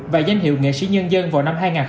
và giải thích bởi hội đồng dự